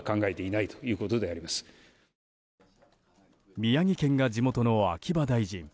宮城県が地元の秋葉大臣。